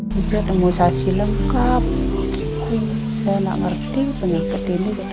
bisa tembusasi lengkap saya enak ngerti penyekat ini gitu